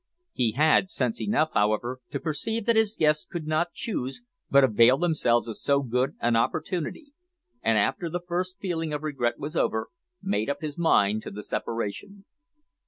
He had sense enough, however, to perceive that his guests could not choose but avail themselves of so good an opportunity, and, after the first feeling of regret was over, made up his mind to the separation.